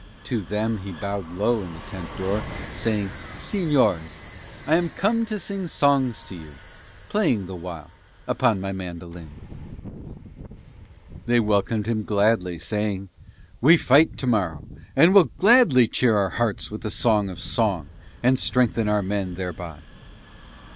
To them he bowed low in the tent door, saying: "Señors, I am come to sing songs to you, playing the while upon my mandolin." And they welcomed him gladly, saying: "We fight tomorrow and will gladly cheer our hearts with the sound of song and strengthen our men thereby."